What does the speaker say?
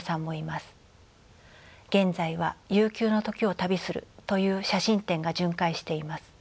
現在は「悠久の時を旅する」という写真展が巡回しています。